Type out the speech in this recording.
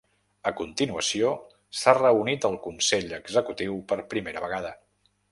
A continuació, s’ha reunit el consell executiu per primera vegada.